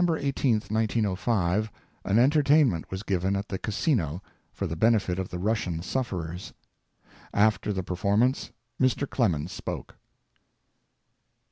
RUSSIAN SUFFERERS On December 18, 1905, an entertainment was given at the Casino for the benefit of the Russian sufferers. After the performance Mr. Clemens spoke.